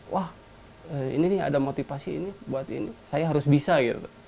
wah ini nih ada motivasi ini buat ini saya harus bisa gitu